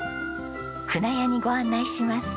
舟屋にご案内します。